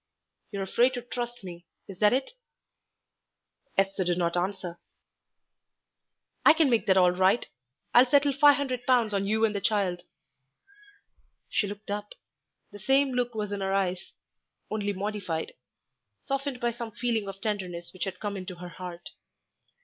"You're afraid to trust me, is that it?" Esther did not answer. "I can make that all right: I'll settle £500 on you and the child." She looked up; the same look was in her eyes, only modified, softened by some feeling of tenderness which had come into her heart.